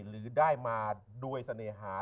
หรือได้มาด้วยเสน่หา